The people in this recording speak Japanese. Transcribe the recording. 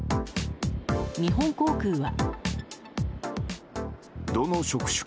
日本航空は。